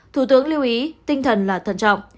thủ tướng lưu ý tinh thần là thân trọng